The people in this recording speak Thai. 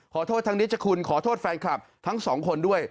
ขอโทษทั้งนิชคุณขอโทษแฟนคลับทั้งสองคนด้วย